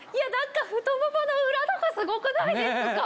太ももの裏とかすごくないですか？